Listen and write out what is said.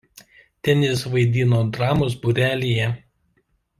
Ten jis vaidino dramos būrelyje.